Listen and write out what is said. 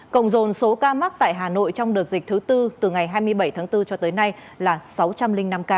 cộng dồn số ca mắc tại hà nội trong đợt dịch thứ tư từ ngày hai mươi bảy tháng bốn cho tới nay là sáu trăm linh năm ca